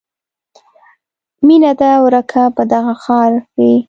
میینه ده ورکه په دغه ښار کې